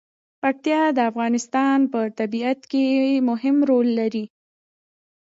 پکتیکا د افغانستان په طبیعت کې مهم رول لري.